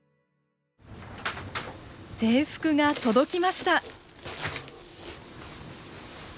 制服が届きました。